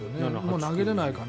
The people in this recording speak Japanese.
投げれないかな。